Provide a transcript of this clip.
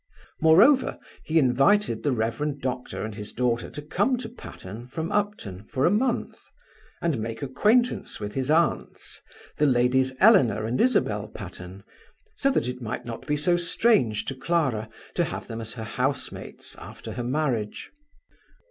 Moreover, he invited the Rev. Doctor and his daughter to come to Patterne from Upton for a month, and make acquaintance with his aunts, the ladies Eleanor and Isabel Patterne, so that it might not be so strange to Clara to have them as her housemates after her marriage.